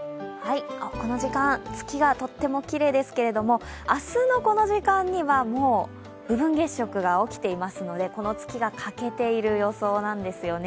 この時間、月がとってもきれいですけど明日のこの時間には、もう部分月食が起きていますのでこの月が欠けている予想なんですよね。